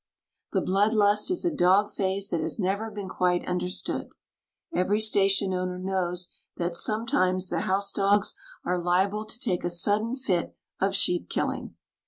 The blood lust is a dog phase that has never been quite understood. Every station owner knows that sometimes the house dogs are liable to take a sudden fit of sheep killing.